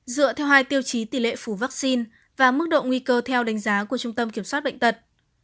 dựa theo hai tiêu chí tỷ lệ phủ vaccine và mức độ nguy cơ theo đánh giá của trung tâm kiểm soát bệnh tật